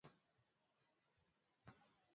nrm mamlakani sijui hayo madai yapo ama namna jani